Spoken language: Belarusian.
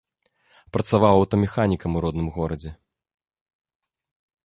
Працаваў аўтамеханікам у родным горадзе.